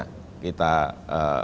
agar lapangan pekerjaan seluas luasnya